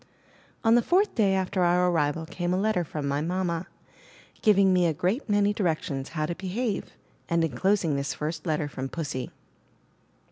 On the fourth day after our arrival came a letter from my mamma, giving me a great many direc tions how to behave, and enclosing this first letter from Pussy.